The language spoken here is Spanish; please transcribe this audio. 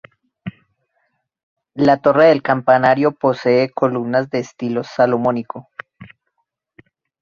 La torre del campanario posee columnas de estilo salomónico.